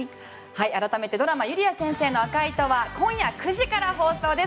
改めてドラマ「ゆりあ先生の赤い糸」は今夜９時から放送です。